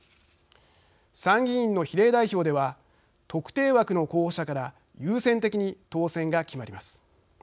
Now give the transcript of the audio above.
参議院の比例代表では特定枠の候補者から優先的に当選が決まります。